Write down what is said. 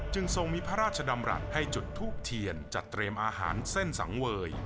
ทรงมีพระราชดำรัฐให้จุดทูบเทียนจัดเตรียมอาหารเส้นสังเวย